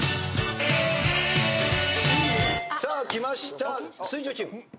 さあきました水１０チーム。